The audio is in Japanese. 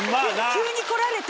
急に来られて。